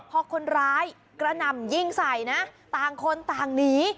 พอคนร้ายกระหน่ำยิงใส่นะต่างคนต่างหนี